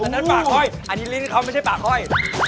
นั่นปากอ้อยอันนี้ลิ้นเขาไม่ใช่ปากอ้อย